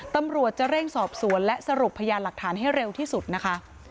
ตำรวจจะเร่งสอบสวนและสรุปพยานหลักฐานให้เร็วที่สุดนะคะ